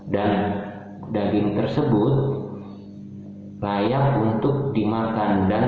dan daging tersebut layak untuk dibuat di dalam kulkas